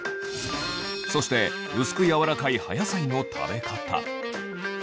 そして薄く柔らかい葉野菜の食べ方。